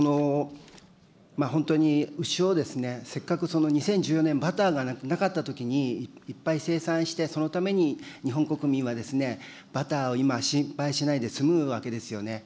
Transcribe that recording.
本当に牛を、せっかく、２０１４年、バターがなかったときにいっぱい生産して、そのために日本国民はバターは今、心配しないで済むわけですよね。